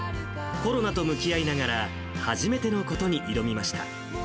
コロナと向き合いながら、初めてのことに挑みました。